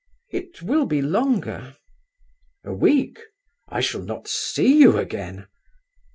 "It will be longer." "A week? I shall not see you again?"